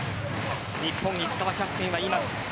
日本、石川キャプテンは言います。